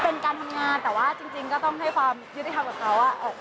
เป็นการทำงานแต่ว่าจริงก็ต้องให้ความยุติธรรมกับเขาว่า